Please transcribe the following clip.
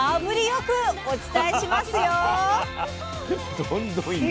よくお伝えしますよ！